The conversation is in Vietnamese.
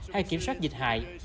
hay kiểm soát dịch hại